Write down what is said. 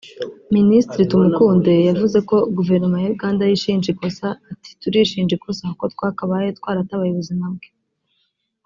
Minisitiri Tumukunde yavuze ko guverinoma ya Uganda yishinja ikosa ati “Turishinja ikosa kuko twakabaye twaratabaye ubuzima bwe”